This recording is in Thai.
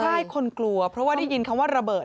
ใช่คนกลัวเพราะว่าได้ยินคำว่าระเบิด